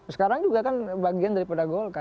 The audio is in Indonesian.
sekarang juga kan bagian daripada golkar